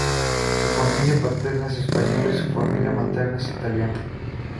Su familia paterna es española y su familia materna es italiana.